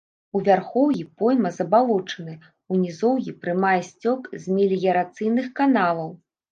У вярхоўі пойма забалочаная, у нізоўі прымае сцёк з меліярацыйных каналаў.